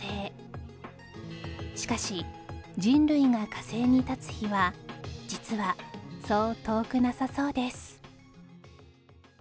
しかし人類が火星に立つ日は実はそう遠くなさそうです